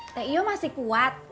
tio masih kuat